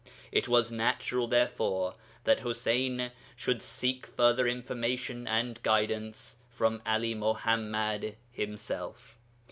It was natural, therefore, that Ḥuseyn should seek further information and guidance from 'Ali Muḥammad himself.